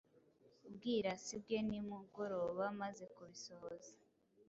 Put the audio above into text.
ubwirasi bwe nimugorobaamaze kubisohoza